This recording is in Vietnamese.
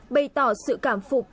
bày tỏ sự cảm phục